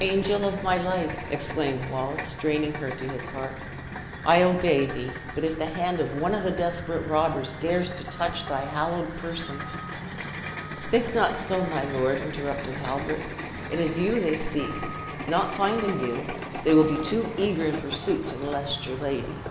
"Angel of my life," exclaimed Wallace, straining her to his heart, "I obey thee. But if the hand of one of the desperate robbers dares to touch thy hallowed person " "Think not so, my lord," interrupted Halbert; "it is you they seek. Not finding you, they will be too eager in pursuit to molest your lady."